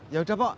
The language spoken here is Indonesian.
ya udah po